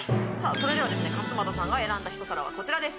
それでは勝俣さんが選んだ一皿はこちらです。